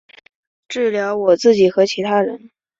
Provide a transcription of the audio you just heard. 治疗我自己和其他人